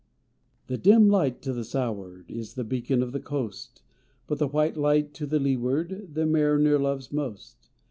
The dim light to the sou ward Is the beacon of the coast, But the white light to the leeward The mariner loves most.